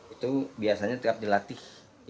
itu biasanya tiap dilatih